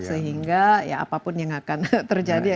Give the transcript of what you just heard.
sehingga ya apapun yang akan terjadi